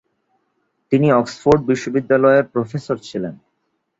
তিনি অক্সফোর্ড বিশ্ববিদ্যালয়ের প্রফেসর ছিলেন।